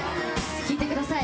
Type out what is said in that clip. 聴いてください